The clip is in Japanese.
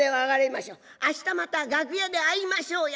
明日また楽屋で会いましょうや」。